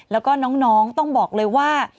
แล้วก็น้องต้องบอกเลยว่า